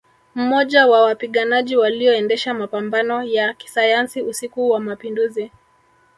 Mmoja wa wapiganaji walioendesha mapambano ya kisayansi usiku wa Mapinduzi